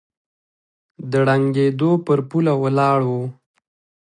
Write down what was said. د ړنګېدو پر پوله ولاړ و